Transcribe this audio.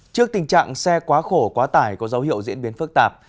trước tình trạng xe quá khổ quá tải có dấu hiệu diễn biến phức tạp